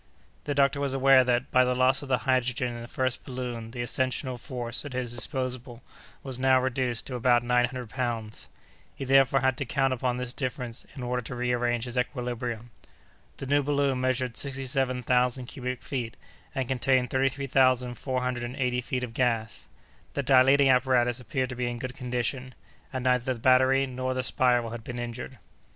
The doctor was aware that, by the loss of the hydrogen in the first balloon, the ascensional force at his disposal was now reduced to about nine hundred pounds. He therefore had to count upon this difference in order to rearrange his equilibrium. The new balloon measured sixty seven thousand cubic feet, and contained thirty three thousand four hundred and eighty feet of gas. The dilating apparatus appeared to be in good condition, and neither the battery nor the spiral had been injured.